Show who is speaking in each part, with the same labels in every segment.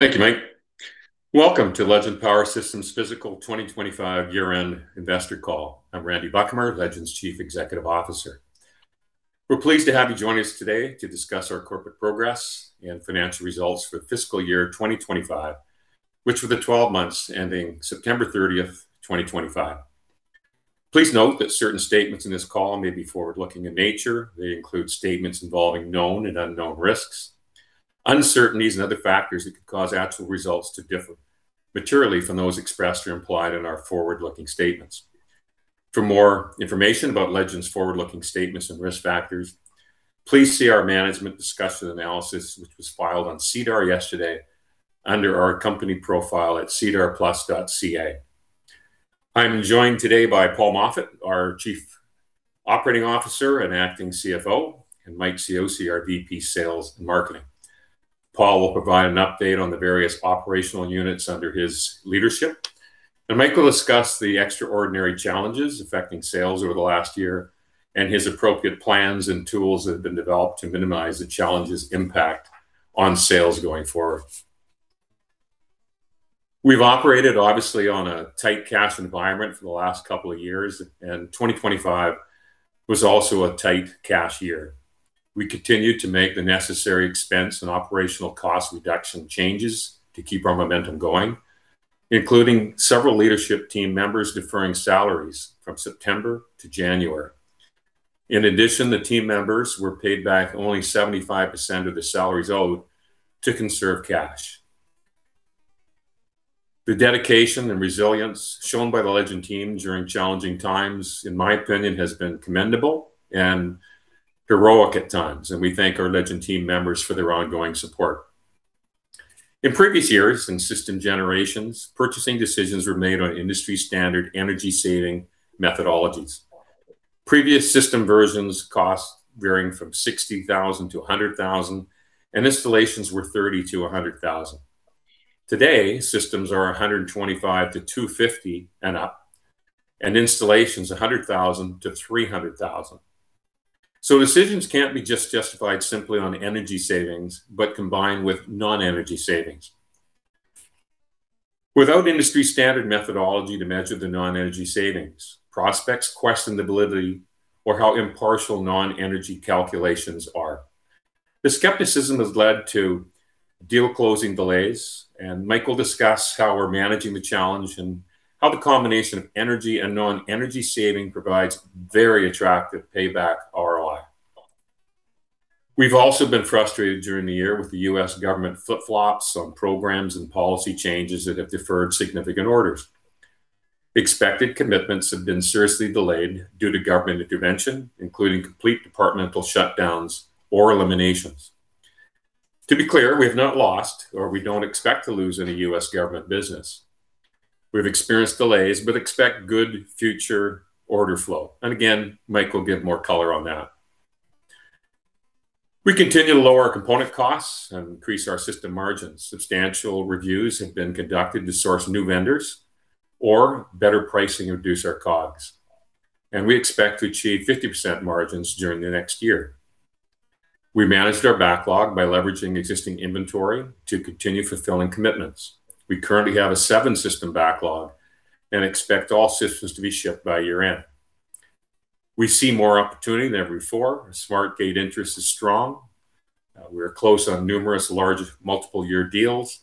Speaker 1: Thank you, Mike. Welcome to Legend Power Systems' Fiscal 2025 Year-End Investor Call. I'm Randy Buchamer, Legend's Chief Executive Officer. We're pleased to have you join us today to discuss our corporate progress and financial results for the fiscal year 2025, which were the 12 months ending September 30, 2025. Please note that certain statements in this call may be forward-looking in nature. They include statements involving known and unknown risks, uncertainties, and other factors that could cause actual results to differ materially from those expressed or implied in our forward-looking statements. For more information about Legend's forward-looking statements and risk factors, please see our Management's Discussion and Analysis, which was filed on SEDAR+ yesterday under our company profile at sedarplus.ca. I'm joined today by Paul Moffat, our Chief Operating Officer and acting CFO, and Mike Cioce, our VP Sales and Marketing. Paul will provide an update on the various operational units under his leadership, and Mike will discuss the extraordinary challenges affecting sales over the last year and his appropriate plans and tools that have been developed to minimize the challenges' impact on sales going forward. We've operated obviously on a tight cash environment for the last couple of years, and 2025 was also a tight cash year. We continued to make the necessary expense and operational cost reduction changes to keep our momentum going, including several leadership team members deferring salaries from September to January. In addition, the team members were paid back only 75% of the salaries owed to conserve cash. The dedication and resilience shown by the Legend team during challenging times, in my opinion, has been commendable and heroic at times, and we thank our Legend team members for their ongoing support. In previous years, in system generations, purchasing decisions were made on industry-standard energy-saving methodologies. Previous system versions cost varying from 60,000-100,000, and installations were 30,000-100,000. Today, systems are 125,000-250,000 and up, and installations 100,000-300,000. So decisions can't be just justified simply on energy savings, but combined with non-energy savings. Without industry-standard methodology to measure the non-energy savings, prospects question the validity or how impartial non-energy calculations are. The skepticism has led to deal closing delays, and Mike will discuss how we're managing the challenge and how the combination of energy and non-energy saving provides very attractive payback ROI. We've also been frustrated during the year with the U.S. government flip-flops on programs and policy changes that have deferred significant orders. Expected commitments have been seriously delayed due to government intervention, including complete departmental shutdowns or eliminations. To be clear, we have not lost, or we don't expect to lose any U.S. government business. We've experienced delays but expect good future order flow. And again, Mike will give more color on that. We continue to lower our component costs and increase our system margins. Substantial reviews have been conducted to source new vendors or better pricing to reduce our COGS, and we expect to achieve 50% margins during the next year. We managed our backlog by leveraging existing inventory to continue fulfilling commitments. We currently have a seven-system backlog and expect all systems to be shipped by year-end. We see more opportunity than ever before. SmartGATE interest is strong. We're close on numerous large, multiple-year deals,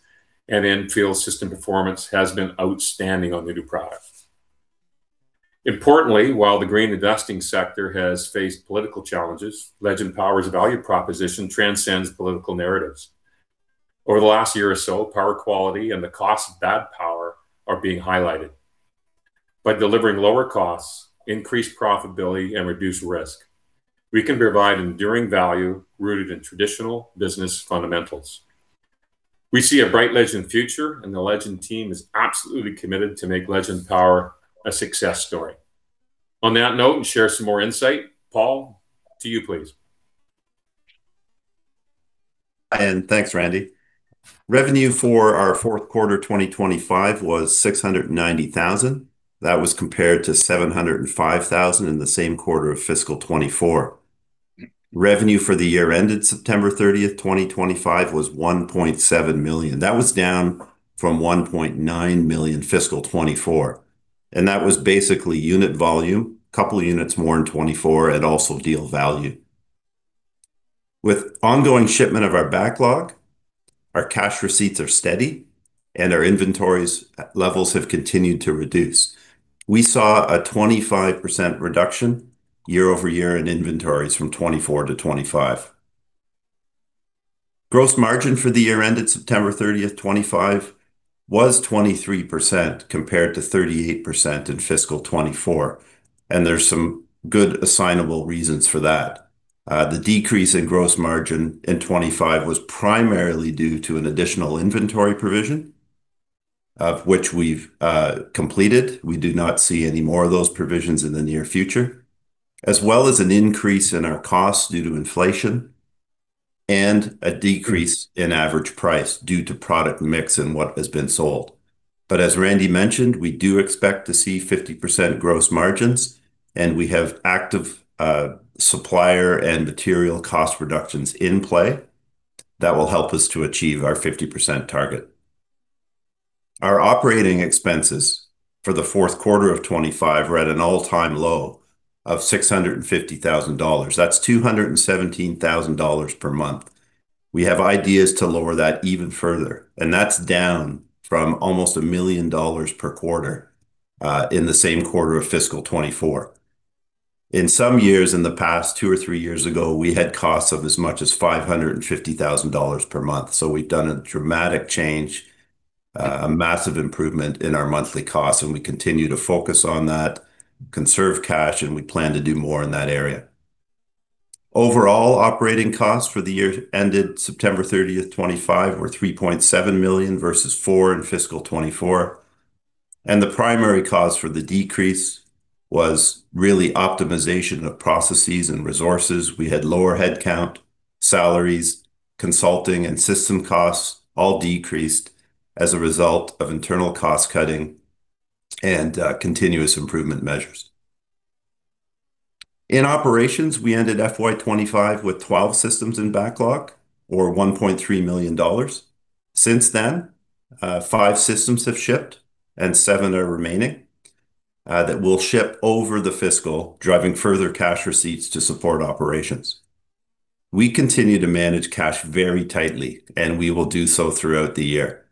Speaker 1: and in-field system performance has been outstanding on the new product. Importantly, while the green investing sector has faced political challenges, Legend Power's value proposition transcends political narratives. Over the last year or so, power quality and the cost of bad power are being highlighted. By delivering lower costs, increased profitability, and reduced risk, we can provide enduring value rooted in traditional business fundamentals. We see a bright Legend future, and the Legend team is absolutely committed to make Legend Power a success story. On that note, and share some more insight, Paul, to you, please. And thanks, Randy. Revenue for our fourth quarter, 2025 was 690,000. That was compared to 705,000 in the same quarter of fiscal 2024. Revenue for the year ended September 30, 2025 was 1.7 million. That was down from 1.9 million fiscal 2024, and that was basically unit volume, couple units more in 2024, and also deal value. With ongoing shipment of our backlog, our cash receipts are steady, and our inventories, levels have continued to reduce. We saw a 25% reduction year-over-year in inventories from 2024 to 2025. Gross margin for the year ended September 30, 2025, was 23%, compared to 38% in fiscal 2024, and there's some good assignable reasons for that. The decrease in gross margin in 25 was primarily due to an additional inventory provision, of which we've completed. We do not see any more of those provisions in the near future, as well as an increase in our costs due to inflation and a decrease in average price due to product mix and what has been sold. But as Randy mentioned, we do expect to see 50% gross margins, and we have active supplier and material cost reductions in play that will help us to achieve our 50% target. Our operating expenses for the fourth quarter of '25 were at an all-time low of 650,000 dollars. That's 217,000 dollars per month. We have ideas to lower that even further, and that's down from almost 1 million dollars per quarter in the same quarter of fiscal 2024. In some years, in the past two or three years ago, we had costs of as much as 550,000 dollars per month. So we've done a dramatic change, a massive improvement in our monthly costs, and we continue to focus on that, conserve cash, and we plan to do more in that area. Overall, operating costs for the year ended September 30, 2025, were 3.7 million versus 4 million in fiscal 2024, and the primary cause for the decrease was really optimization of processes and resources. We had lower headcount, salaries, consulting, and system costs all decreased as a result of internal cost-cutting and continuous improvement measures. In operations, we ended FY 2025 with 12 systems in backlog, or 1.3 million dollars. Since then, five systems have shipped and seven are remaining, that will ship over the fiscal, driving further cash receipts to support operations. We continue to manage cash very tightly, and we will do so throughout the year.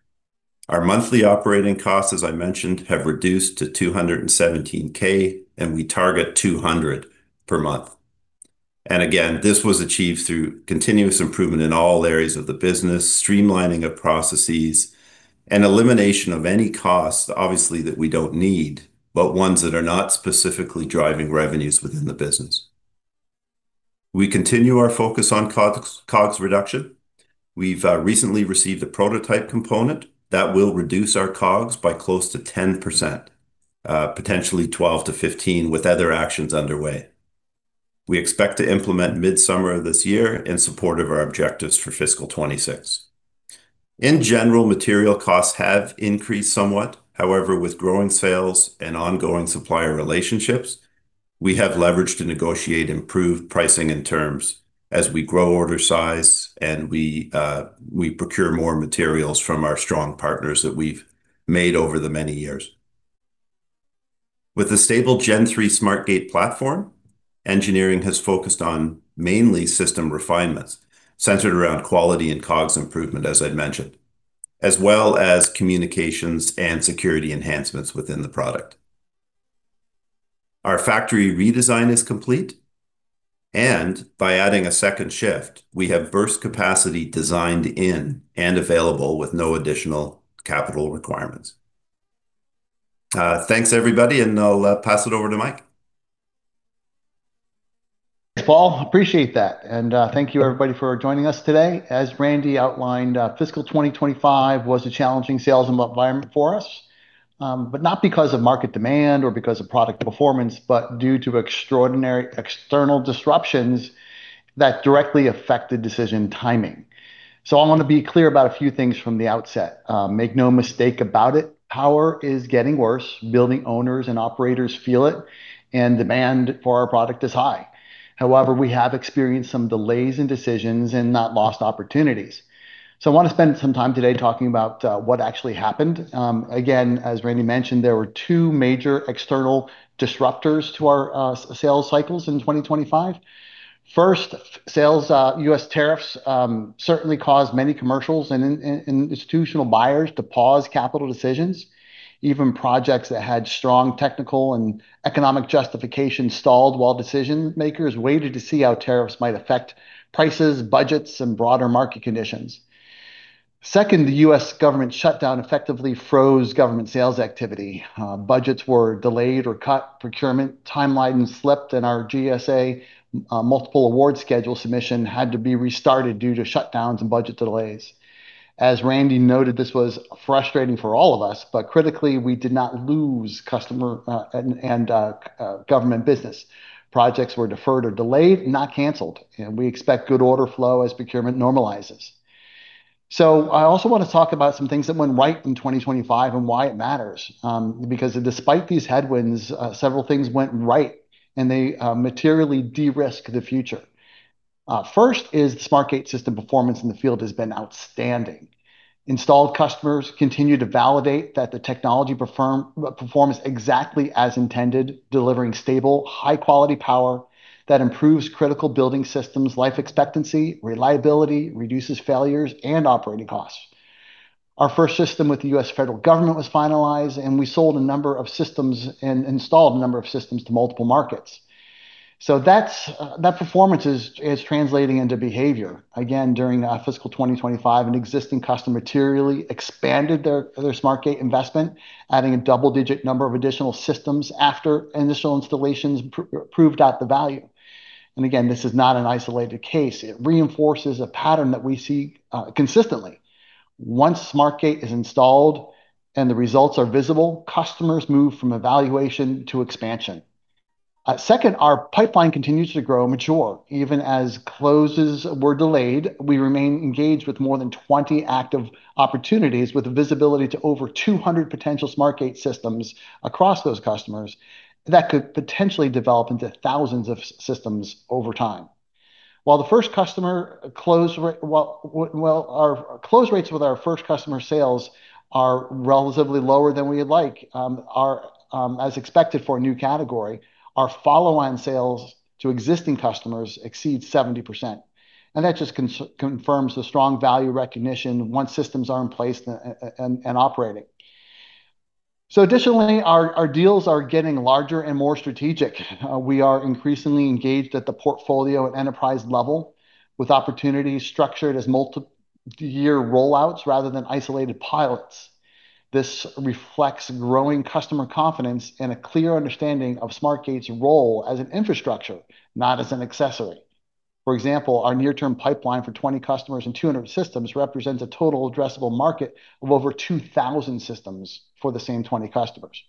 Speaker 1: Our monthly operating costs, as I mentioned, have reduced to 217,000, and we target 200,000 per month. And again, this was achieved through continuous improvement in all areas of the business, streamlining of processes, and elimination of any costs, obviously, that we don't need, but ones that are not specifically driving revenues within the business. We continue our focus on COGS reduction. We've recently received a prototype component that will reduce our COGS by close to 10%, potentially 12%-15%, with other actions underway. We expect to implement mid-summer of this year in support of our objectives for fiscal 2026. In general, material costs have increased somewhat. However, with growing sales and ongoing supplier relationships, we have leverage to negotiate improved pricing and terms as we grow order size and we procure more materials from our strong partners that we've made over the many years. With the stable Gen 3 SmartGATE platform, engineering has focused on mainly system refinements centered around quality and COGS improvement, as I'd mentioned, as well as communications and security enhancements within the product. Our factory redesign is complete, and by adding a second shift, we have burst capacity designed in and available with no additional capital requirements. Thanks, everybody, and I'll pass it over to Mike.
Speaker 2: Paul, appreciate that. And, thank you, everybody, for joining us today. As Randy outlined, fiscal 2025 was a challenging sales environment for us, but not because of market demand or because of product performance, but due to extraordinary external disruptions that directly affect the decision timing. So I want to be clear about a few things from the outset. Make no mistake about it, power is getting worse, building owners and operators feel it, and demand for our product is high. However, we have experienced some delays in decisions and not lost opportunities. So I want to spend some time today talking about what actually happened. Again, as Randy mentioned, there were two major external disruptors to our sales cycles in 2025. First, U.S. tariffs certainly caused many commercial and institutional buyers to pause capital decisions. Even projects that had strong technical and economic justification stalled while decision-makers waited to see how tariffs might affect prices, budgets, and broader market conditions. Second, the U.S. government shutdown effectively froze government sales activity. Budgets were delayed or cut, procurement timelines slipped, and our GSA Multiple Award Schedule submission had to be restarted due to shutdowns and budget delays. As Randy noted, this was frustrating for all of us, but critically, we did not lose customer and government business. Projects were deferred or delayed, not canceled, and we expect good order flow as procurement normalizes. So I also want to talk about some things that went right in 2025 and why it matters, because despite these headwinds, several things went right and they materially de-risk the future. First is SmartGATE system performance in the field has been outstanding. Installed customers continue to validate that the technology performs exactly as intended, delivering stable, high-quality power that improves critical building systems' life expectancy, reliability, reduces failures, and operating costs. Our first system with the U.S. federal government was finalized, and we sold a number of systems and installed a number of systems to multiple markets. That performance is translating into behavior. Again, during fiscal 2025, an existing customer materially expanded their SmartGATE investment, adding a double-digit number of additional systems after initial installations proved out the value. And again, this is not an isolated case. It reinforces a pattern that we see consistently. Once SmartGATE is installed and the results are visible, customers move from evaluation to expansion. Second, our pipeline continues to grow and mature. Even as closes were delayed, we remain engaged with more than 20 active opportunities, with visibility to over 200 potential SmartGATE systems across those customers that could potentially develop into thousands of systems over time. While the first customer close rate, well, our close rates with our first customer sales are relatively lower than we'd like. As expected for a new category, our follow-on sales to existing customers exceed 70%, and that just confirms the strong value recognition once systems are in place and operating. Additionally, our deals are getting larger and more strategic. We are increasingly engaged at the portfolio and enterprise level, with opportunities structured as multiple year rollouts rather than isolated pilots. This reflects growing customer confidence and a clear understanding of SmartGATE's role as an infrastructure, not as an accessory. For example, our near-term pipeline for 20 customers and 200 systems represents a total addressable market of over 2,000 systems for the same 20 customers.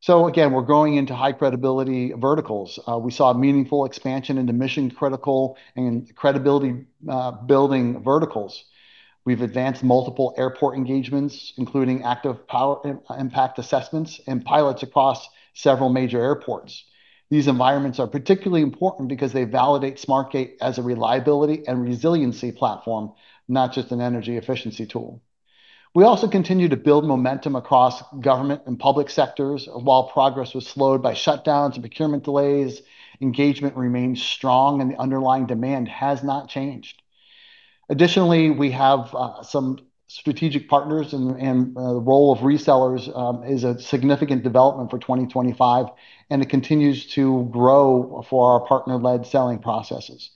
Speaker 2: So again, we're growing into high-credibility verticals. We saw a meaningful expansion into mission-critical and credibility building verticals. We've advanced multiple airport engagements, including active power impact, impact assessments and pilots across several major airports. These environments are particularly important because they validate SmartGATE as a reliability and resiliency platform, not just an energy efficiency tool. We also continue to build momentum across government and public sectors. While progress was slowed by shutdowns and procurement delays, engagement remains strong, and the underlying demand has not changed. Additionally, we have some strategic partners and the role of resellers is a significant development for 2025, and it continues to grow for our partner-led selling processes.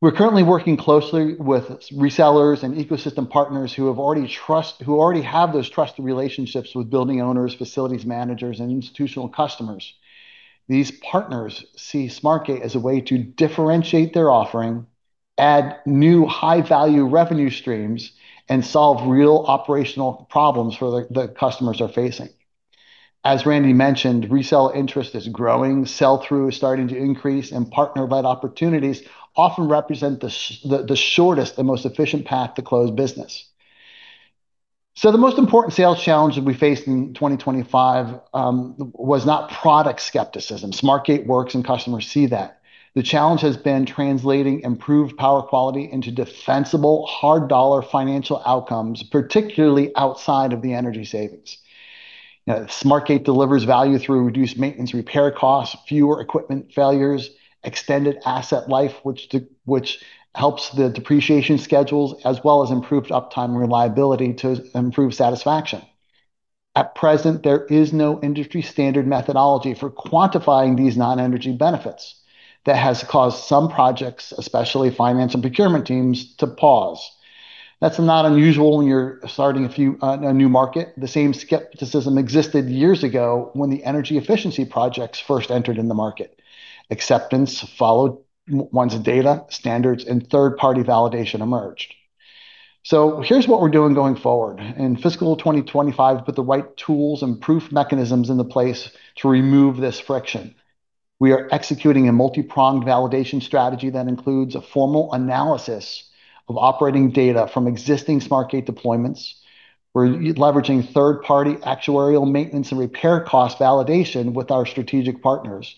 Speaker 2: We're currently working closely with resellers and ecosystem partners who already have those trusted relationships with building owners, facilities managers, and institutional customers. These partners see SmartGATE as a way to differentiate their offering, add new high-value revenue streams, and solve real operational problems for the customers are facing. As Randy mentioned, reseller interest is growing, sell-through is starting to increase, and partner-led opportunities often represent the shortest and most efficient path to close business. So the most important sales challenge that we faced in 2025 was not product skepticism. SmartGATE works, and customers see that. The challenge has been translating improved power quality into defensible, hard dollar financial outcomes, particularly outside of the energy savings. Now, SmartGATE delivers value through reduced maintenance repair costs, fewer equipment failures, extended asset life, which helps the depreciation schedules, as well as improved uptime reliability to improve satisfaction. At present, there is no industry standard methodology for quantifying these non-energy benefits. That has caused some projects, especially finance and procurement teams, to pause. That's not unusual when you're starting a new market. The same skepticism existed years ago when the energy efficiency projects first entered in the market. Acceptance followed once data, standards, and third-party validation emerged. So here's what we're doing going forward. In fiscal 2025, put the right tools and proof mechanisms into place to remove this friction. We are executing a multi-pronged validation strategy that includes a formal analysis of operating data from existing SmartGATE deployments. We're leveraging third-party actuarial maintenance and repair cost validation with our strategic partners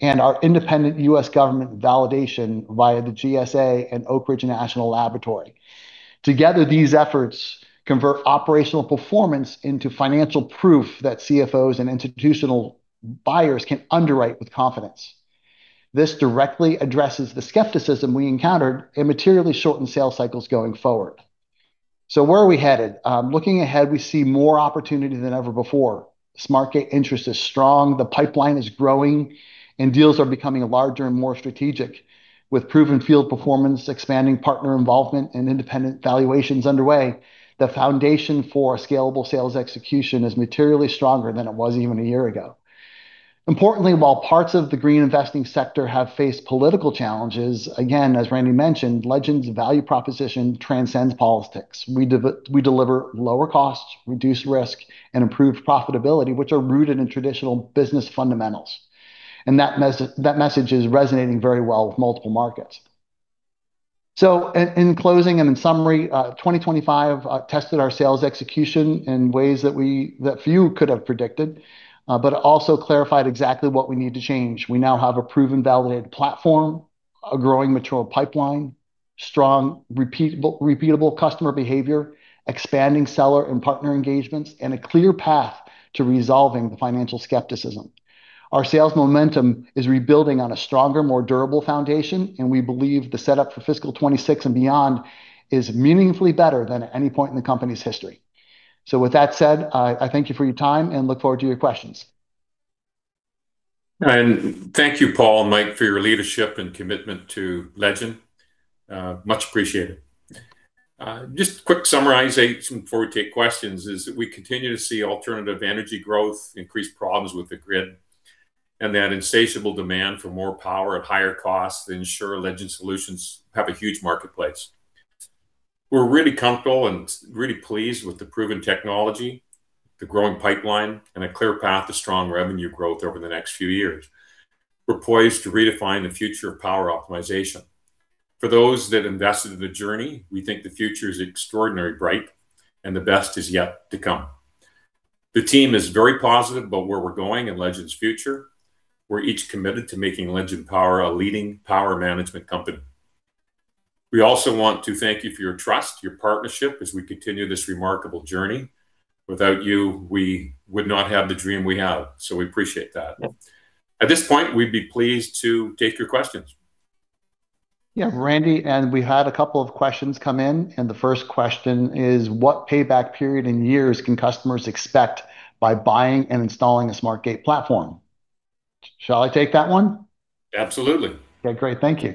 Speaker 2: and our independent U.S. government validation via the GSA and Oak Ridge National Laboratory. Together, these efforts convert operational performance into financial proof that CFOs and institutional buyers can underwrite with confidence. This directly addresses the skepticism we encountered and materially shortened sales cycles going forward. So where are we headed? Looking ahead, we see more opportunity than ever before. SmartGATE interest is strong, the pipeline is growing, and deals are becoming larger and more strategic. With proven field performance, expanding partner involvement, and independent valuations underway, the foundation for scalable sales execution is materially stronger than it was even a year ago. Importantly, while parts of the green investing sector have faced political challenges, again, as Randy mentioned, Legend's value proposition transcends politics. We deliver lower costs, reduced risk, and improved profitability, which are rooted in traditional business fundamentals, and that message is resonating very well with multiple markets. So in closing and in summary, 2025 tested our sales execution in ways that few could have predicted, but it also clarified exactly what we need to change. We now have a proven, validated platform, a growing mature pipeline, strong, repeatable customer behavior, expanding seller and partner engagements, and a clear path to resolving the financial skepticism. Our sales momentum is rebuilding on a stronger, more durable foundation, and we believe the setup for fiscal 2026 and beyond is meaningfully better than at any point in the company's history. So with that said, I thank you for your time and look forward to your questions.
Speaker 1: And thank you, Paul and Mike, for your leadership and commitment to Legend. Much appreciated. Just a quick summarization before we take questions is that we continue to see alternative energy growth, increased problems with the grid, and that insatiable demand for more power at higher costs ensure Legend's solutions have a huge marketplace. We're really comfortable and really pleased with the proven technology, the growing pipeline, and a clear path to strong revenue growth over the next few years. We're poised to redefine the future of power optimization. For those that invested in the journey, we think the future is extraordinarily bright, and the best is yet to come. The team is very positive about where we're going and Legend's future. We're each committed to making Legend Power a leading power management company. We also want to thank you for your trust, your partnership, as we continue this remarkable journey. Without you, we would not have the dream we have, so we appreciate that. At this point, we'd be pleased to take your questions.
Speaker 2: Yeah, Randy, and we had a couple of questions come in, and the first question is: What payback period in years can customers expect by buying and installing a SmartGATE platform? Shall I take that one?
Speaker 1: Absolutely.
Speaker 2: Okay, great. Thank you.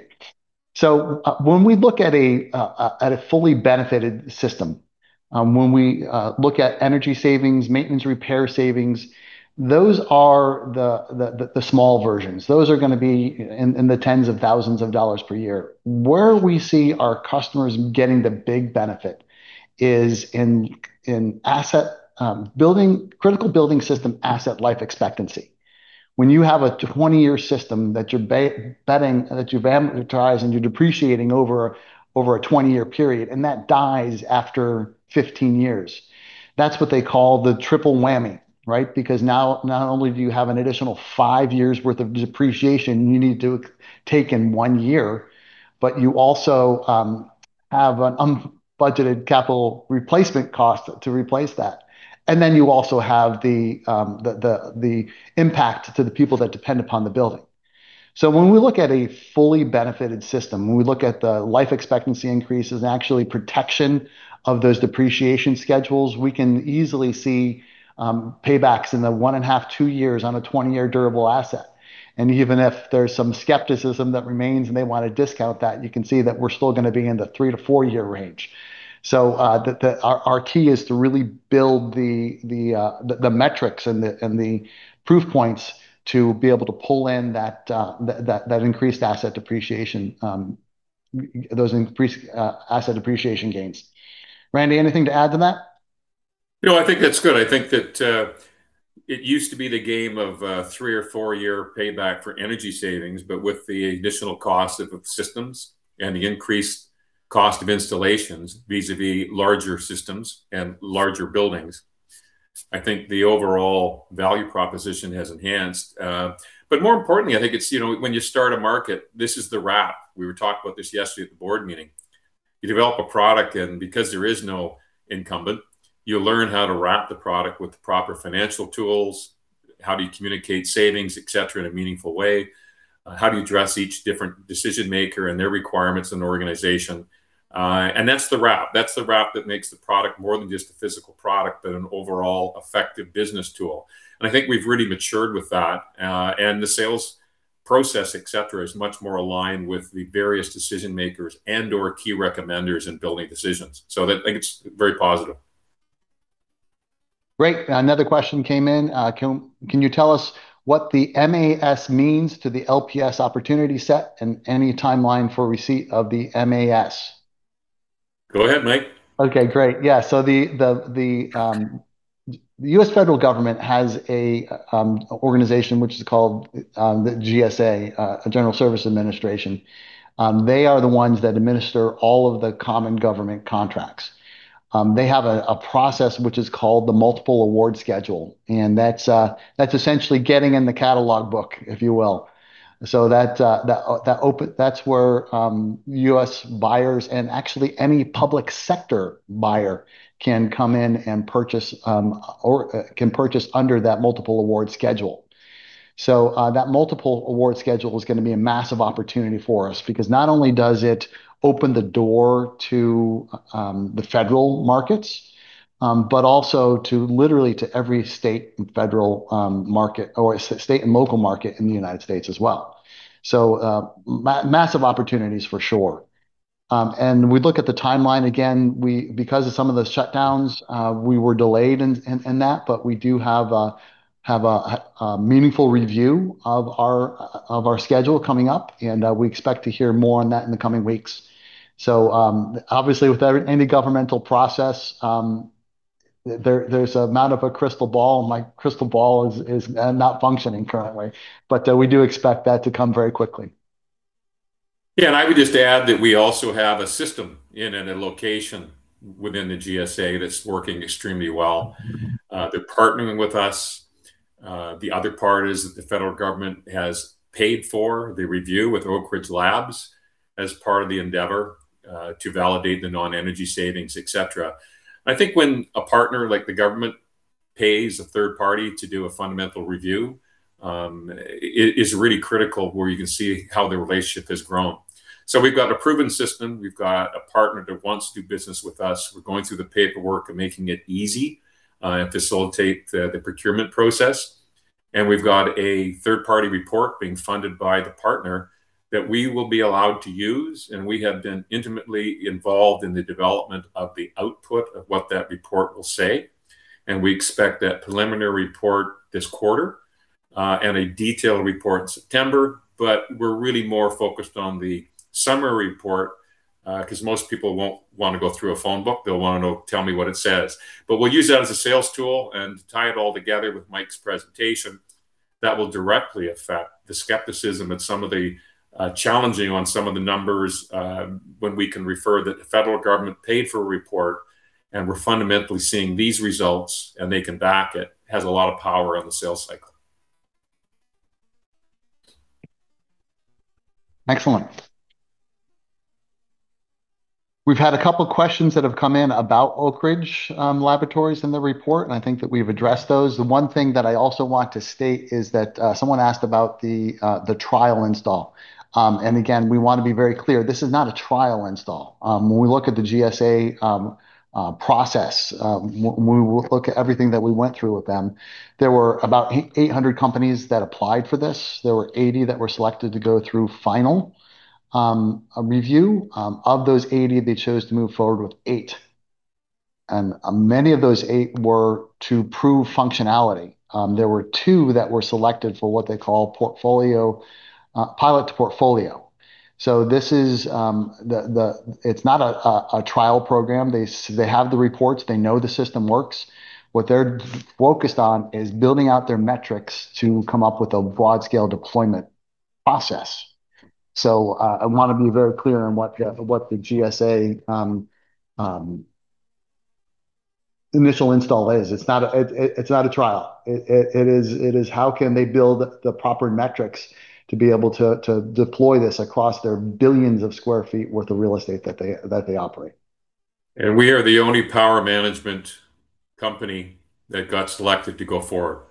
Speaker 2: So, when we look at a fully benefited system, when we look at energy savings, maintenance repair savings, those are the small versions. Those are gonna be in the tens of thousands of dollars per year. Where we see our customers getting the big benefit is in asset building-critical building system asset life expectancy. When you have a 20-year system that you're betting, that you've amortized and you're depreciating over a 20-year period, and that dies after 15 years, that's what they call the triple whammy, right? Because now not only do you have an additional 5 years worth of depreciation you need to take in 1 year, but you also have an unbudgeted capital replacement cost to replace that. Then you also have the impact to the people that depend upon the building. So when we look at a fully benefited system, when we look at the life expectancy increases and actually protection of those depreciation schedules, we can easily see paybacks in the 1.5 years-2 years on a 20-year durable asset. And even if there's some skepticism that remains, and they want to discount that, you can see that we're still gonna be in the 3 years-4 years range. So, our key is to really build the metrics and the proof points to be able to pull in that increased asset depreciation, those increased asset depreciation gains. Randy, anything to add to that?
Speaker 1: No, I think that's good. I think that, it used to be the game of a three or four-year payback for energy savings, but with the additional cost of, of systems and the increased cost of installations, vis-à-vis larger systems and larger buildings, I think the overall value proposition has enhanced. But more importantly, I think it's, you know, when you start a market, this is the wrap. We were talking about this yesterday at the board meeting. You develop a product, and because there is no incumbent, you learn how to wrap the product with the proper financial tools, how do you communicate savings, et cetera, in a meaningful way, how do you dress each different decision maker and every requirement in the organization? And that's the wrap. That's the wrap that makes the product more than just a physical product, but an overall effective business tool. I think we've really matured with that, and the sales process, et cetera, is much more aligned with the various decision-makers and/or key recommenders in building decisions. I think it's very positive.
Speaker 2: Great. Another question came in. "Can, can you tell us what the MAS means to the LPS opportunity set and any timeline for receipt of the MAS?
Speaker 1: Go ahead, Mike.
Speaker 2: Okay, great. Yeah, so the U.S. federal government has an organization which is called the GSA, General Services Administration. They are the ones that administer all of the common government contracts. They have a process which is called the Multiple Award Schedule, and that's essentially getting in the catalog book, if you will. So that's where U.S. buyers, and actually any public sector buyer, can come in and purchase, or can purchase under that Multiple Award Schedule. So that Multiple Award Schedule is gonna be a massive opportunity for us because not only does it open the door to the federal markets, but also to literally to every state and federal market or state and local market in the United States as well. So, massive opportunities, for sure. And we look at the timeline again. Because of some of the shutdowns, we were delayed in that, but we do have a meaningful review of our schedule coming up, and we expect to hear more on that in the coming weeks. So, obviously, with any governmental process, there's amount of a crystal ball. My crystal ball is not functioning currently, but we do expect that to come very quickly.
Speaker 1: Yeah, and I would just add that we also have a system in and a location within the GSA that's working extremely well. They're partnering with us. The other part is that the federal government has paid for the review with Oak Ridge Labs as part of the endeavor to validate the non-energy savings, et cetera. I think when a partner like the government pays a third party to do a fundamental review, it's really critical where you can see how the relationship has grown. So we've got a proven system. We've got a partner that wants to do business with us. We're going through the paperwork and making it easy and facilitate the procurement process, and we've got a third-party report being funded by the partner that we will be allowed to use, and we have been intimately involved in the development of the output of what that report will say, and we expect that preliminary report this quarter. A detailed report in September, but we're really more focused on the summary report, 'cause most people won't want to go through a phone book. They'll wanna know, "Tell me what it says." But we'll use that as a sales tool and tie it all together with Mike's presentation. That will directly affect the skepticism and some of the challenging on some of the numbers, when we can refer that the federal government paid for a report, and we're fundamentally seeing these results, and they can back it. It has a lot of power on the sales cycle.
Speaker 2: Excellent. We've had a couple questions that have come in about Oak Ridge National Laboratory and the report, and I think that we've addressed those. The one thing that I also want to state is that someone asked about the trial install. Again, we want to be very clear, this is not a trial install. When we look at the GSA process, when we look at everything that we went through with them, there were about 800 companies that applied for this. There were 80 companies that were selected to go through final review. Of those 80 companies, they chose to move forward with 8 companies, and many of those 8 companies were to prove functionality. There were two that were selected for what they call portfolio pilot to portfolio. This is the— It's not a trial program. They have the reports. They know the system works. What they're focused on is building out their metrics to come up with a broad-scale deployment process. So, I want to be very clear on what the GSA initial install is. It's not a trial. It is how can they build the proper metrics to be able to deploy this across their billions of sq ft worth of real estate that they operate.
Speaker 1: We are the only power management company that got selected to go forward.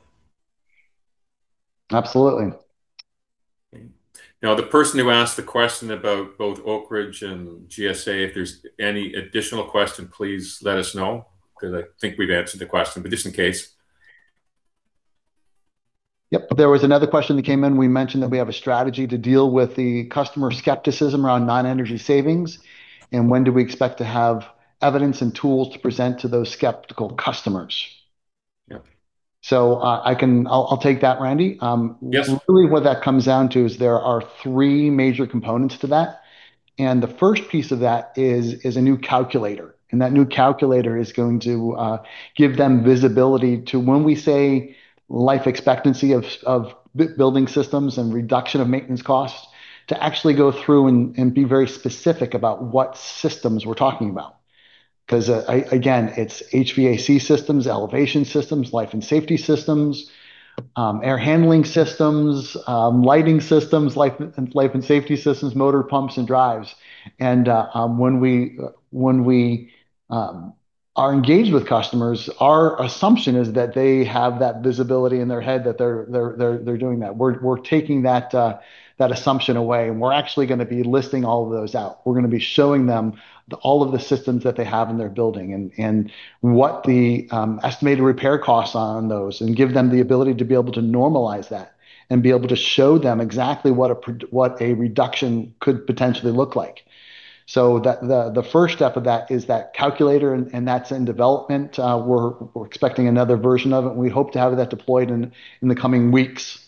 Speaker 2: Absolutely.
Speaker 1: Now, the person who asked the question about both Oak Ridge and GSA, if there's any additional question, please let us know, because I think we've answered the question, but just in case.
Speaker 2: Yep. There was another question that came in. We mentioned that we have a strategy to deal with the customer skepticism around non-energy savings, and when do we expect to have evidence and tools to present to those skeptical customers?
Speaker 1: Yep.
Speaker 2: I'll take that, Randy.
Speaker 1: Yes.
Speaker 2: Really, what that comes down to is there are three major components to that, and the first piece of that is a new calculator, and that new calculator is going to give them visibility to when we say life expectancy of building systems and reduction of maintenance costs, to actually go through and be very specific about what systems we're talking about. 'Cause, again, it's HVAC systems, elevation systems, life and safety systems, air handling systems, lighting systems, life and safety systems, motor pumps and drives. And, when we are engaged with customers, our assumption is that they have that visibility in their head, that they're doing that. We're taking that assumption away, and we're actually gonna be listing all of those out. We're gonna be showing them all of the systems that they have in their building and what the estimated repair costs are on those and give them the ability to be able to normalize that, and be able to show them exactly what a reduction could potentially look like. So the first step of that is that calculator, and that's in development. We're expecting another version of it, and we hope to have that deployed in the coming weeks.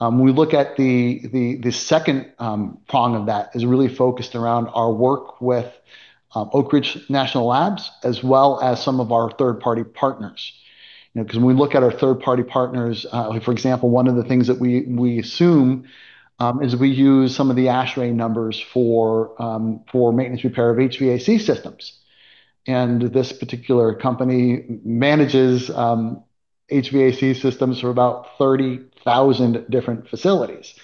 Speaker 2: We look at the second prong of that is really focused around our work with Oak Ridge National Labs, as well as some of our third-party partners. You know, 'cause when we look at our third-party partners, like, for example, one of the things that we assume is we use some of the ASHRAE numbers for maintenance repair of HVAC systems, and this particular company manages HVAC systems for about 30,000 different facilities,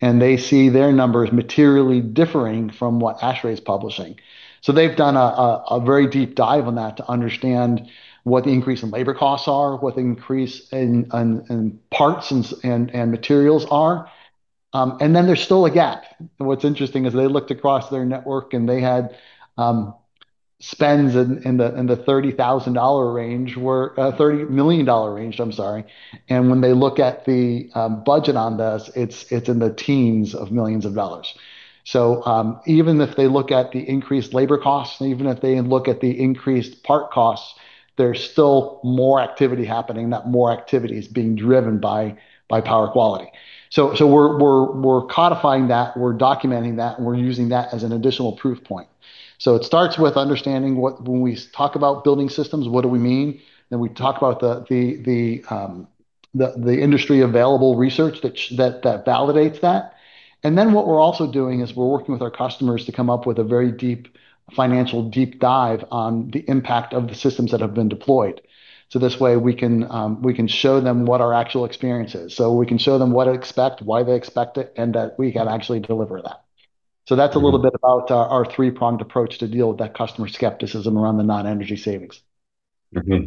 Speaker 2: and they see their numbers materially differing from what ASHRAE's publishing. So they've done a very deep dive on that to understand what the increase in labor costs are, what the increase in parts and materials are, and then there's still a gap. And what's interesting is they looked across their network, and they had spends in the 30,000 dollar range were 30 million dollar range, I'm sorry. When they look at the budget on this, it's in the teens of millions of dollars. So even if they look at the increased labor costs and even if they look at the increased part costs, there's still more activity happening, that more activity is being driven by power quality. So we're codifying that, we're documenting that, and we're using that as an additional proof point. So it starts with understanding what when we talk about building systems, what do we mean? Then we talk about the industry-available research that validates that. And then what we're also doing is we're working with our customers to come up with a very deep financial deep dive on the impact of the systems that have been deployed. This way, we can, we can show them what our actual experience is. We can show them what to expect, why they expect it, and that we can actually deliver that. So that's a little bit about our three-pronged approach to deal with that customer skepticism around the non-energy savings.
Speaker 1: Mm-hmm.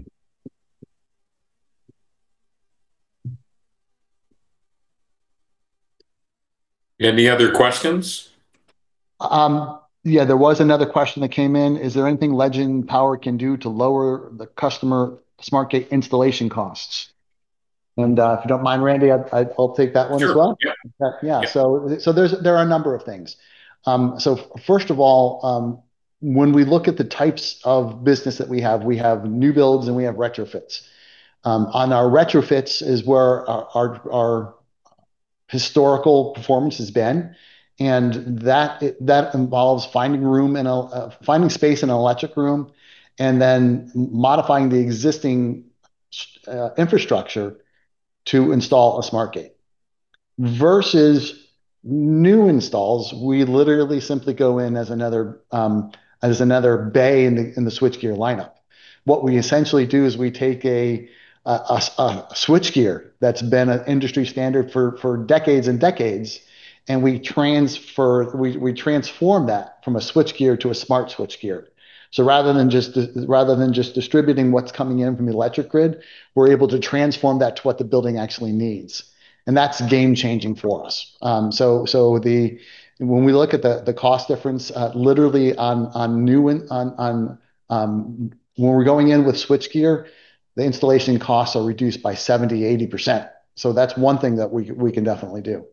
Speaker 1: Any other questions?
Speaker 2: Yeah, there was another question that came in: "Is there anything Legend Power can do to lower the customer SmartGATE installation costs?" And, if you don't mind, Randy, I'll take that one as well.
Speaker 1: Sure. Yep.
Speaker 2: Yeah, yeah.
Speaker 1: Yep.
Speaker 2: So, there are a number of things. So first of all, when we look at the types of business that we have, we have new builds and we have retrofits. On our retrofits is where our historical performance has been, and that involves finding space in an electric room, and then modifying the existing infrastructure to install a SmartGATE. Versus new installs, we literally simply go in as another bay in the switchgear lineup. What we essentially do is we take a switchgear that's been an industry standard for decades and decades, and we transform that from a switchgear to a smart switchgear. So rather than just distributing what's coming in from the electric grid, we're able to transform that to what the building actually needs, and that's game changing for us. When we look at the cost difference, literally on new and on when we're going in with switchgear, the installation costs are reduced by 70%-80%. So that's one thing that we can definitely do.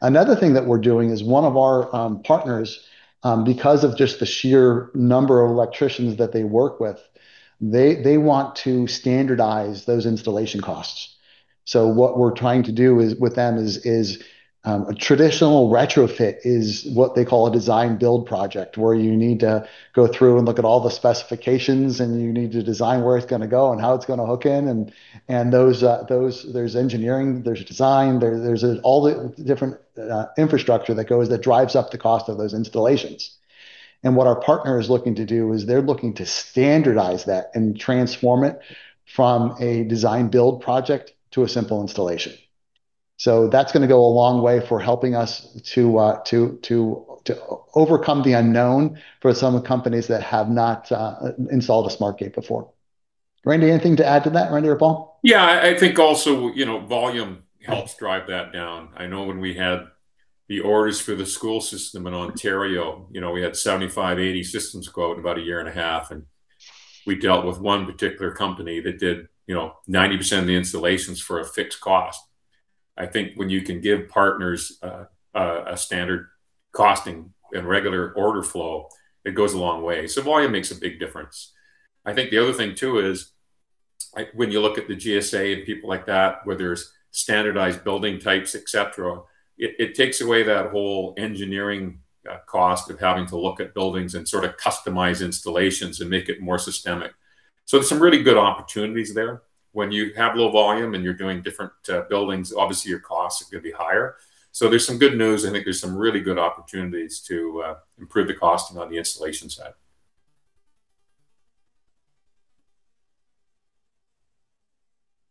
Speaker 2: Another thing that we're doing is one of our partners, because of just the sheer number of electricians that they work with, they want to standardize those installation costs. So what we're trying to do with them is a traditional retrofit is what they call a design build project, where you need to go through and look at all the specifications, and you need to design where it's gonna go and how it's gonna hook in, and there's engineering, there's design, there's all the different infrastructure that goes that drives up the cost of those installations. And what our partner is looking to do is they're looking to standardize that and transform it from a design build project to a simple installation. So that's gonna go a long way for helping us to overcome the unknown for some companies that have not installed a SmartGATE before. Randy, anything to add to that, Randy or Paul?
Speaker 1: Yeah, I think also, you know, volume helps drive that down. I know when we had the orders for the school system in Ontario, you know, we had 75 systems, 80 systems go out about a year and a half, and we dealt with one particular company that did, you know, 90% of the installations for a fixed cost. I think when you can give partners a standard costing and regular order flow, it goes a long way. So volume makes a big difference. I think the other thing, too, is, like, when you look at the GSA and people like that, where there's standardized building types, et cetera, it takes away that whole engineering cost of having to look at buildings and sort of customize installations and make it more systemic. So there's some really good opportunities there. When you have low volume and you're doing different buildings, obviously your costs are gonna be higher. So there's some good news, and I think there's some really good opportunities to improve the costing on the installation side.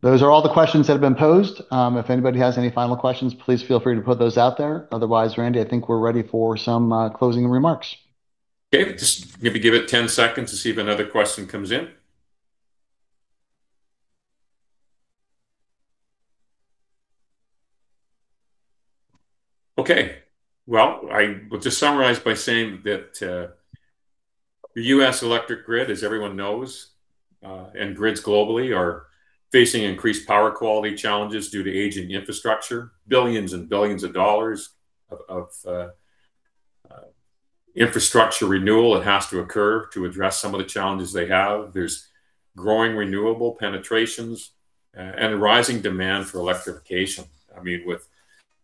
Speaker 2: Those are all the questions that have been posed. If anybody has any final questions, please feel free to put those out there. Otherwise, Randy, I think we're ready for some closing remarks.
Speaker 1: Okay. Just maybe give it 10 seconds to see if another question comes in. Okay. Well, I will just summarize by saying that, the U.S. electric grid, as everyone knows, and grids globally, are facing increased power quality challenges due to aging infrastructure, billions and billions of dollars of infrastructure renewal that has to occur to address some of the challenges they have. There's growing renewable penetrations, and rising demand for electrification. I mean, with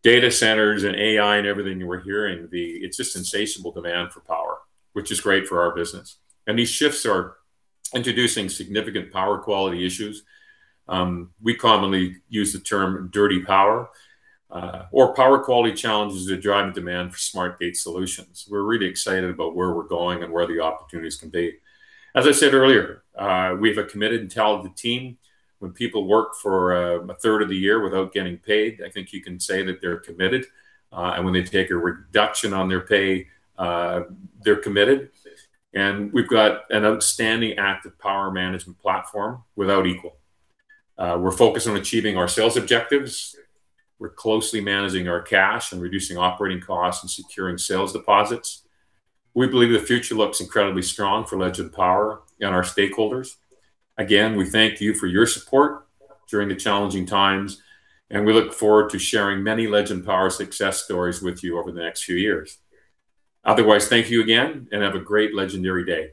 Speaker 1: data centers and AI and everything you were hearing, the—it's just insatiable demand for power, which is great for our business. And these shifts are introducing significant power quality issues. We commonly use the term dirty power, or power quality challenges that drive the demand for SmartGATE solutions. We're really excited about where we're going and where the opportunities can be. As I said earlier, we have a committed and talented team. When people work for a third of the year without getting paid, I think you can say that they're committed. And when they take a reduction on their pay, they're committed. And we've got an outstanding active power management platform without equal. We're focused on achieving our sales objectives. We're closely managing our cash and reducing operating costs and securing sales deposits. We believe the future looks incredibly strong for Legend Power and our stakeholders. Again, we thank you for your support during the challenging times, and we look forward to sharing many Legend Power success stories with you over the next few years. Otherwise, thank you again, and have a great legendary day.